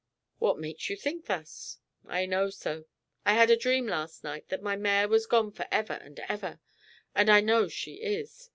"What makes you think thus?" "I know so. I had a dream last night that my mare was gone for ever and ever, and I know she is.